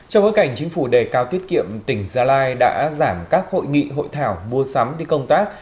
hành chính phủ đề cao tiết kiệm tỉnh gia lai đã giảm các hội nghị hội thảo mua sắm đi công tác